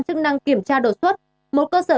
chức năng kiểm tra đột xuất một cơ sở